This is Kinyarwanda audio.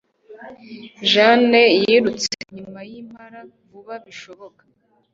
Jane yirutse inyuma yimpara vuba bishoboka.